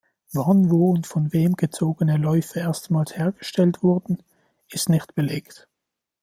Wann, wo und von wem gezogene Läufe erstmals hergestellt wurden, ist nicht belegt.